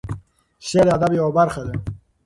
شعر د ادب یوه برخه ده.